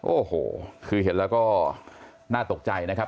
โอ้โหคือเห็นแล้วก็น่าตกใจนะครับ